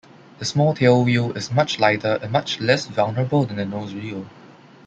The small tailwheel is much lighter and much less vulnerable than a nosewheel.